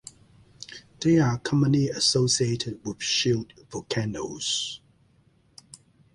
They are commonly associated with shield volcanoes.